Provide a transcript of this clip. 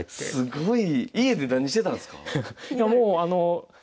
すごい。